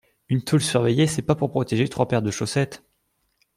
Une taule surveillée c’est pas pour protéger trois paires de chaussettes